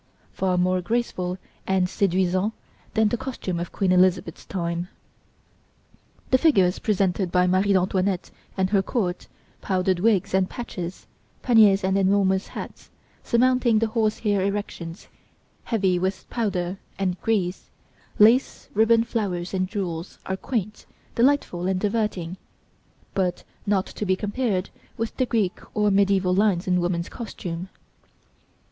Far more graceful and séduisant than the costume of Queen Elizabeth's time. The figures presented by Marie Antoinette and her court, powdered wigs and patches, paniers and enormous hats, surmounting the horsehair erections, heavy with powder and grease, lace, ribbon flowers and jewels, are quaint, delightful and diverting, but not to be compared with the Greek or mediæval lines in woman's costume.